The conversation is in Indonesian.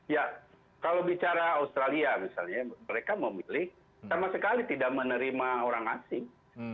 ya kalau bicara australia misalnya mereka memilih sama sekali tidak menerima orang asing